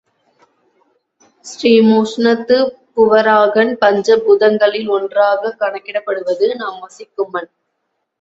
ஸ்ரீமுஷ்ணத்து பூவராகன் பஞ்ச பூதங்களில் ஒன்றாகக் கணக்கிடப்படுவது நாம் வசிக்கும் மண்.